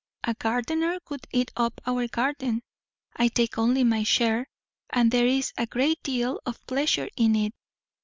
A gardener would eat up our garden. I take only my share. And there is a great deal of pleasure in it.